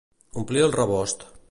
Omplir el rebost.